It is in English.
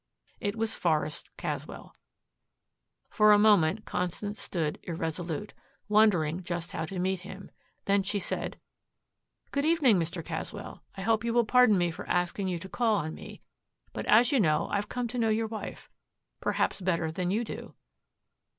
It was Forest Caswell. For a moment Constance stood irresolute, wondering just how to meet him, then she said, "Good evening, Mr. Caswell. I hope you will pardon me for asking you to call on me, but, as you know, I've come to know your wife perhaps better than you do."